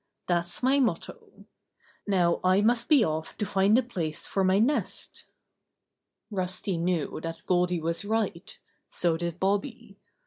That's my motto. Now I must be ofi to find a place for my nest." Rusty knew that Goldy was right. So did Bobby.